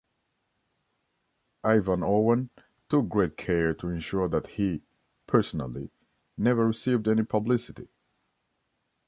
Ivan Owen took great care to ensure that he, personally, never received any publicity.